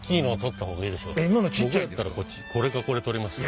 僕やったらこれかこれ取りますよ。